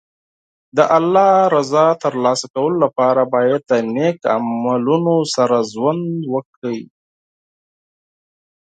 د الله رضا ترلاسه کولو لپاره باید د نېک عملونو سره ژوند وکړي.